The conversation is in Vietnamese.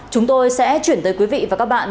chúng tôi sẽ chuyển tới quý vị và các bạn